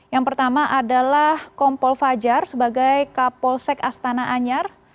yang pertama adalah kompol fajar sebagai kapolsek astana anyar